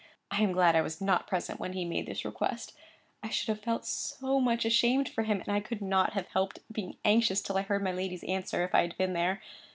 I am glad I was not present when he made this request; I should have felt so much ashamed for him, and I could not have helped being anxious till I heard my lady's answer, if I had been there.